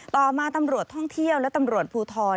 ต่อมาตำรวจท่องเที่ยวและตำรวจภูทร